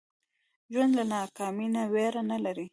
ژوندي له ناکامۍ نه ویره نه لري